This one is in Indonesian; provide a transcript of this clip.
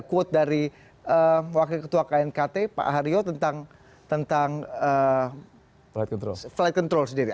quote dari wakil ketua knkt pak harjo tentang flight control sendiri